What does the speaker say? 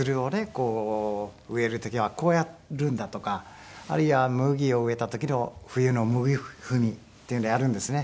こう植える時はこうやるんだとかあるいは麦を植えた時の冬の麦踏みっていうのをやるんですね。